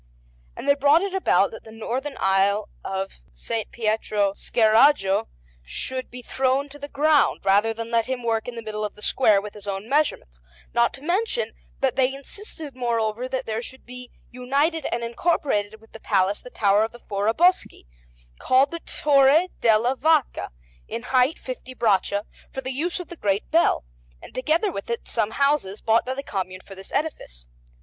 And they brought it about that the northern aisle of S. Pietro Scheraggio should be thrown to the ground, rather than let him work in the middle of the square with his own measurements; not to mention that they insisted, moreover, that there should be united and incorporated with the Palace the Tower of the Foraboschi, called the "Torre della Vacca," in height fifty braccia, for the use of the great bell, and together with it some houses bought by the Commune for this edifice.